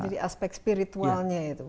jadi aspek spiritualnya itu